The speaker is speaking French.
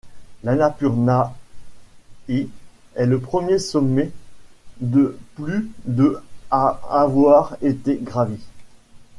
L'Annapurna I est le premier sommet de plus de à avoir été gravi.